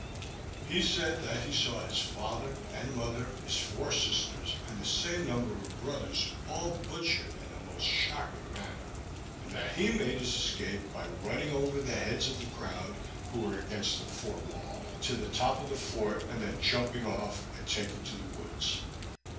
He said that he saw his father, and mother, his four sisters, and the same number of brothers, all butchered in the most shocking manner, and that he made his escape by running over the heads of the crowd, who were against the fort wall, to the top of the fort, and then jumping off, and taking to the woods.